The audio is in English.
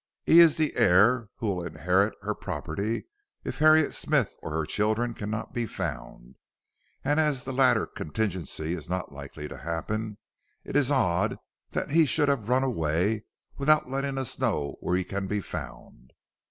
He is the heir who will inherit her property if Harriet Smith or her children cannot be found, and as the latter contingency is not likely to happen, it is odd that he should have run away without letting us know where he can be found."